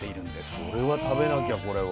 それは食べなきゃこれは。